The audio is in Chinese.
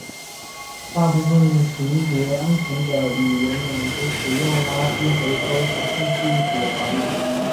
大部分型别安全的语言满足使用垃圾回收实现记忆体的管理。